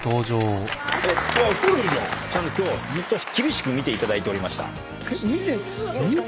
今日ずっと厳しく見ていただいておりました。